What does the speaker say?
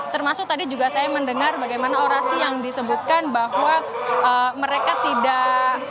termasuk tadi juga saya mendengar bagaimana orasi yang disebutkan bahwa mereka tidak